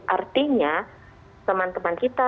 artinya teman teman kita